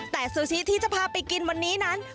แต่ซูชิที่จะพาไปกินวันนี้นั้น